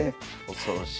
恐ろしい。